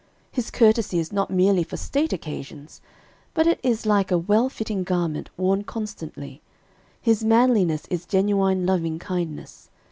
"His courtesy is not merely for state occasions, but it is like a well fitting garment worn constantly. His manliness is genuine loving kindness.